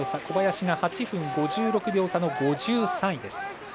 小林が８分５６秒差の５３位です。